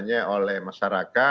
nah kita tahu kan pssi ini ada